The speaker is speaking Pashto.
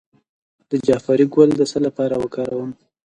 د جعفری ګل د څه لپاره وکاروم؟